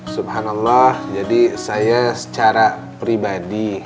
subhanallah jadi saya secara pribadi